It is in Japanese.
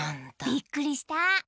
びっくりした。